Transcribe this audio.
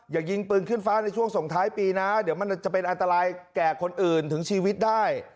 ยิงปืนขึ้นฟ้าในช่วงส่งท้ายปีนะเดี๋ยวมันจะเป็นอันตรายแก่คนอื่นถึงชีวิตได้